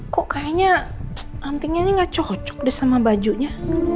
kok kayaknya antingnya ini gak cocok deh sama bajunya